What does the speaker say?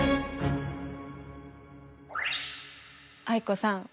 藍子さん